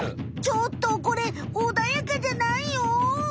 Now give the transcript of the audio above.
ちょっとこれおだやかじゃないよ。